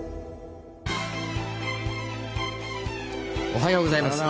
おはようございます。